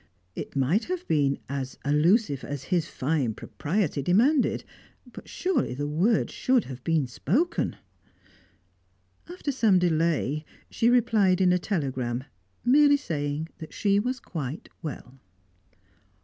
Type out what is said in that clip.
It might have been as allusive as his fine propriety demanded, but surely the word should have been spoken! After some delay, she replied in a telegram, merely saying that she was quite well.